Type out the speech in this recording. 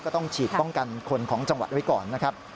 ก็ต้องฉีดป้องกันคนของจังหวัดไว้ก่อนนะครับ